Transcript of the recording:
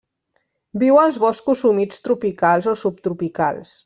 Viu als boscos humits tropicals o subtropicals.